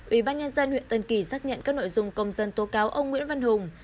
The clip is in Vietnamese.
ubnd huyện tân kỳ xác nhận các nội dung công dân tố cáo ông nguyễn văn hùng